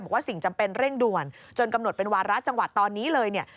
สิ่งจำเป็นเร่งด่วนจนกำหนดเป็นวาระจังหวัดตอนนี้เลยเนี่ย